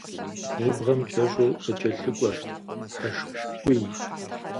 Жьыбгъэм кӏэщӏу къыкӏэлъыкӏуэрт хьэжкуий.